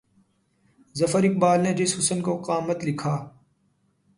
ظفر اقبال نے جس حُسن کو قامت لکھا